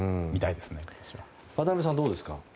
渡辺さんはどうですか？